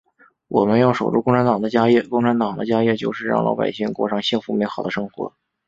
我们要守住共产党的家业，共产党的家业就是让老百姓过上幸福美好的生活。